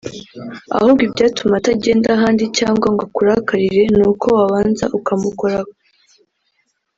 Ahubwo ibyatuma atagenda ahandi cyangwa ngo akurakarire ni uko wabanza ukamukorakoraho